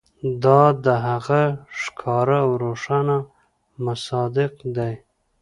دا د هغه ښکاره او روښانه مصداق دی.